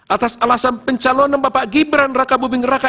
atas alasan pencalonan bapak gibran raka buming raka